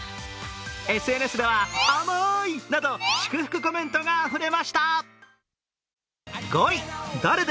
ＳＮＳでは祝福コメントがあふれました。